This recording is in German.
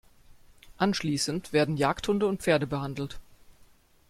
Anschließend werden Jagdhunde und Pferde behandelt.